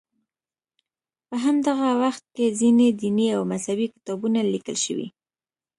په همدغه وخت کې ځینې دیني او مذهبي کتابونه لیکل شوي.